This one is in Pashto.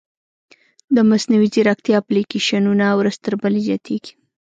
د مصنوعي ځیرکتیا اپلیکیشنونه ورځ تر بلې زیاتېږي.